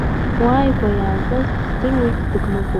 Уааигәа иаатәаз дыздыруеит, дыгмыгуп.